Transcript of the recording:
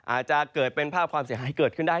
อาจจะเกิดเป็นภาพความเสียหายเกิดขึ้นได้